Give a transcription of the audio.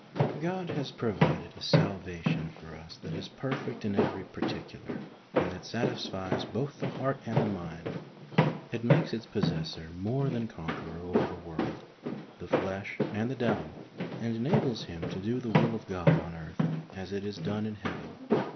G od has provided a salvation for us that is perfect in every particular, and that satisfies both the heart and the mind. It makes its possessor " more than conqueror over the world, the flesh and the devil, and enables him to do the will of God on earth as it is done in heaven.